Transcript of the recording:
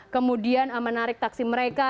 kemudian menarik taksi mereka